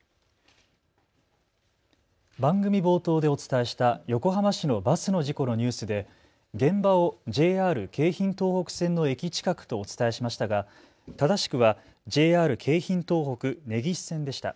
番組冒頭でお伝えした横浜市のバスの事故のニュースで現場をＪＲ京浜東北線の駅近くとお伝えしましたが正しくはＪＲ京浜東北根岸線でした。